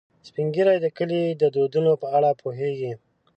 سپین ږیری د کلي د دودونو په اړه پوهیږي